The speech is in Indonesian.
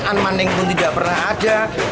anman yang pun tidak pernah ada